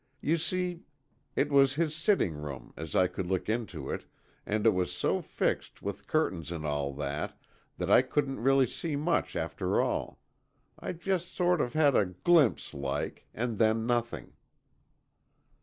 You see, it was his sitting room as I could look into, and it was so fixed, with curtains and all that, that I couldn't really see much after all. I just sort of had a glimpse like, and then nothing."